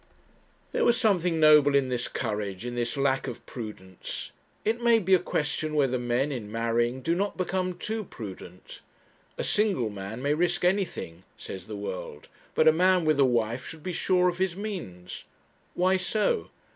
There was something noble in this courage, in this lack of prudence. It may be a question whether men, in marrying, do not become too prudent. A single man may risk anything, says the world; but a man with a wife should be sure of his means. Why so?